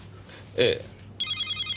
ええ。